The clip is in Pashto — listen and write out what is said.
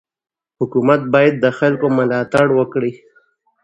حکومت باید د خلکو ملاتړ وکړي.